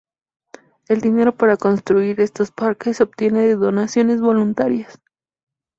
El dinero para construir estos parques se obtiene de donaciones voluntarias.